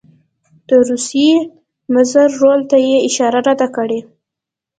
د روسیې مضر رول ته یې اشاره نه ده کړې.